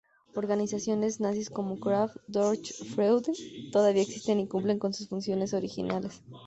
Organizaciones nazis como ""Kraft durch Freude"" todavía existen y cumplen con sus funciones originales.